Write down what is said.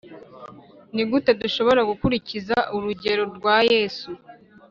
ni gute dushobora gukurikiza urugero rwa yesu